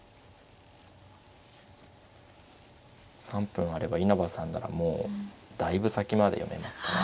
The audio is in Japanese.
３分あれば稲葉さんならもうだいぶ先まで読めますから。